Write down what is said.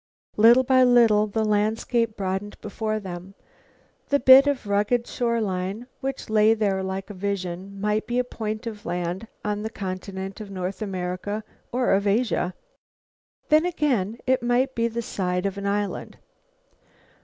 Little by little the landscape broadened before them. The bit of rugged shore line which lay there like a vision might be a point of land on the continent of North America or of Asia. Then again it might be the side of an island.